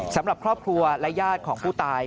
สำหรับครอบครัวและญาติของผู้ตาย